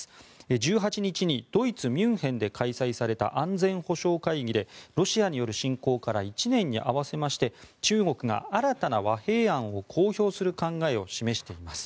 １８日にドイツ・ミュンヘンで開催された安全保障会議でロシアによる侵攻から１年に合わせまして中国が新たな和平案を公表する考えを示しています。